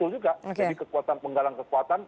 jadi kekuatan penggalang kekuatan